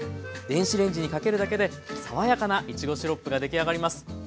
電子レンジにかけるだけで爽やかないちごシロップが出来上がります。